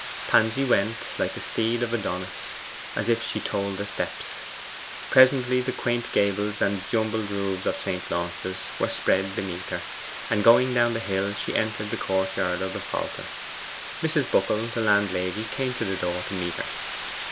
Pansy went, like the steed of Adonis, as if she told the steps. Presently the quaint gables and jumbled roofs of St. Launce's were spread beneath her, and going down the hill she entered the courtyard of the Falcon. Mrs. Buckle, the landlady, came to the door to meet her.